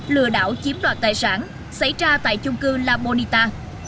lừa đảo chiếm đoạt tài sản xảy ra tại trung cư la boneta